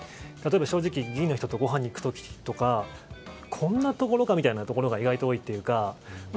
例えば議員の人とごはんに行く時とかこんなところかというところが意外と多いというか。